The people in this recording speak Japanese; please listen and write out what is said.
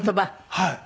はい。